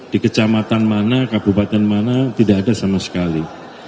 di kecamatan mana kabupaten mana tidak ada sama sekali